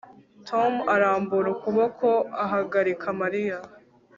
Tom arambura ukuboko ahagarika Mariya